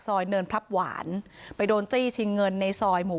เนินพลับหวานไปโดนจี้ชิงเงินในซอยหมู่